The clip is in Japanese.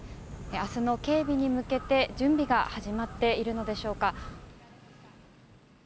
明日の警備に向けて、準備が始まっているのでしょうか。